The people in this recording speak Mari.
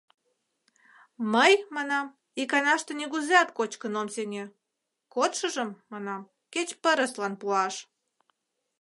— Мый, манам, иканаште нигузеат кочкын ом сеҥе, кодшыжым, манам, кеч пырыслан пуаш...